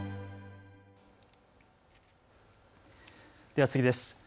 では次です。